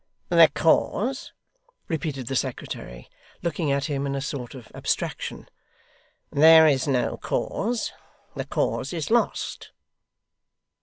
'The cause!' repeated the secretary, looking at him in a sort of abstraction. 'There is no cause. The cause is lost.